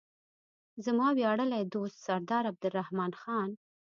زما ویاړلی دوست سردار عبدالرحمن خان.